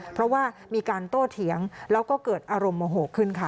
เพราะว่ามีการโต้เถียงแล้วก็เกิดอารมณ์โมโหขึ้นค่ะ